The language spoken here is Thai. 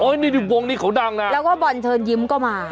นี่วงนี้เขาดังนะแล้วก็บอลเชิญยิ้มก็มา